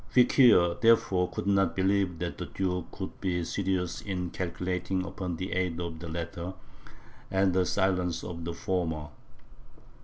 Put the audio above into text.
Feuquieres, therefore, could not believe that the duke could be serious in calculating upon the aid of the latter, and the silence of the former.